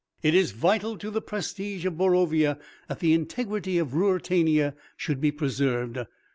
"It is vital to the prestige of Borovia that the integrity of Ruritania should be preserved.